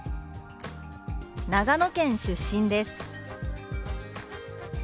「長野県出身です」。